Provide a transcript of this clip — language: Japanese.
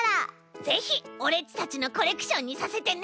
ぜひオレっちたちのコレクションにさせてね。